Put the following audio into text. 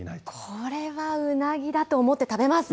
これはうなぎだと思って食べますね。